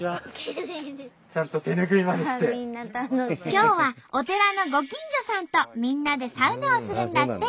今日はお寺のご近所さんとみんなでサウナをするんだって。